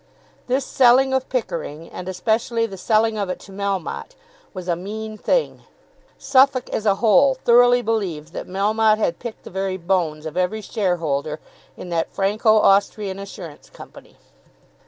This selling of Pickering, and especially the selling of it to Melmotte, was a mean thing. Suffolk, as a whole, thoroughly believed that Melmotte had picked the very bones of every shareholder in that Franco Austrian Assurance Company.